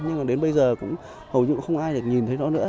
nhưng mà đến bây giờ cũng hầu như không ai được nhìn thấy nó nữa